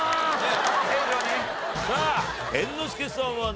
さあ猿之助さんはね